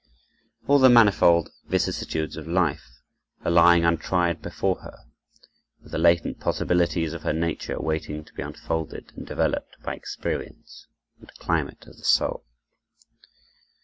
All the manifold vicissitudes of life are lying untried before her, with the latent possibilities of her nature waiting to be unfolded and developed by experience, that climate of the soul.